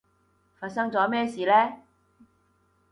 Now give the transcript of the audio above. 發生咗咩嘢事呢？